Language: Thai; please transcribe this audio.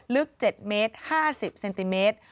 ลึก๗เมตร๕๐เซนติเมตร